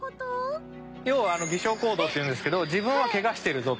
要は擬傷行動というんですけど自分はケガしてるぞと。